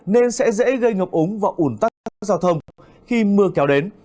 nên sẽ dễ gây ngập úng và ủn tắc giao thông khi mưa kéo đến